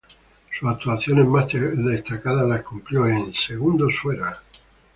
Sus actuaciones más destacadas las cumplió en "¡Segundos afuera!